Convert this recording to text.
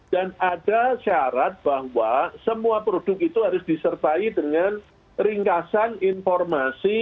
dan ada syarat bahwa semua produk itu harus disertai dengan ringkasan informasi